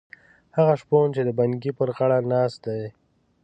هغه شپون چې د بنګي پر غاړه ناست دی.